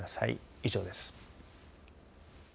以上です。